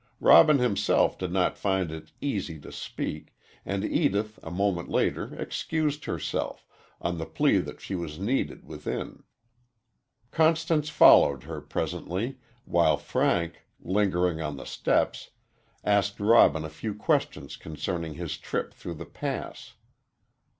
Robin himself did not find it easy to speak, and Edith a moment later excused herself, on the plea that she was needed within. Constance followed her, presently, while Frank, lingering on the steps, asked Robin a few questions concerning his trip through the Pass.